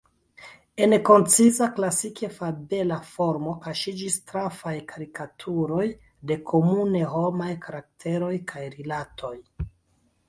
En konciza, klasike fabela formo kaŝiĝis trafaj karikaturoj de komune homaj karakteroj kaj rilatoj.